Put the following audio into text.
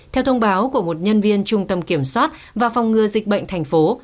theo thông báo của một nhân viên trung tâm kiểm soát và phòng ngừa dịch bệnh thành phố